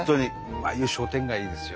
ああいう商店街いいですよ。